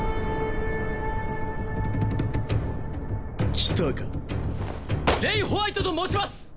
来たかレイ＝ホワイトと申します！